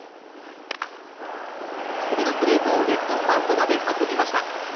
低めのストレートをレフトスタンドまで運びました。